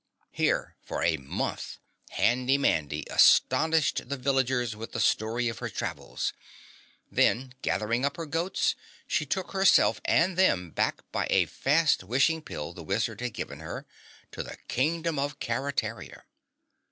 Here, for a month, Handy Mandy astonished the villagers with the story of her travels, then gathering up her goats she took herself and them back by a fast wishing pill the Wizard had given her to the Kingdom of Keretaria.